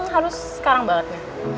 harus sekarang banget